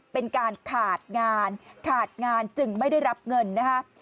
เป็นการขาดงานขาดงานจึงไม่ได้รับเงินนะคะ